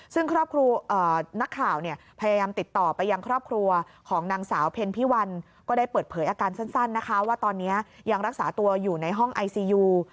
ซึ่งครอบครัวนักข่าวพยายามติดต่อไปยังครอบครัวของนางสาวเพ็ญพี่วันก็ได้เปิดเผยอาการสั้นนะคะว่าตอนนี้ยังรักษาตัวอยู่ในห้องไอซียู